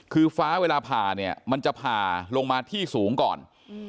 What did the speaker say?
คือฟ้าเวลาผ่าเนี่ยมันจะผ่าลงมาที่สูงก่อน